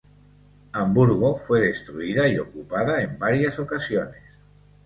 Hamburgo fue destruida y ocupada en varias ocasiones.